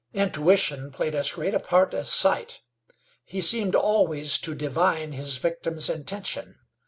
Intuition played as great a part as sight. He seemed always to divine his victim's intention.